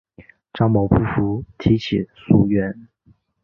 张某不服提起诉愿。